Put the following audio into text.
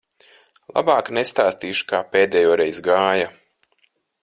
Labāk nestāstīšu, kā pēdējoreiz gāja.